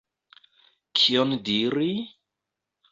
Kion diri?